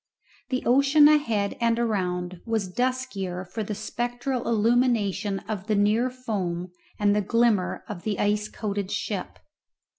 The ocean ahead and around was the duskier for the spectral illumination of the near foam and the glimmer of the ice coated ship.